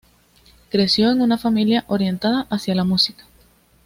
Creció en una familia orientada hacia la música.